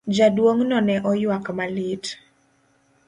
Jaduong'no ne oywak malit.